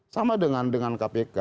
sama dengan kpk